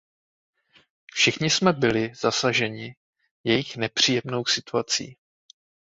Všichni jsme byli zasaženi jejich nepříjemnou situací.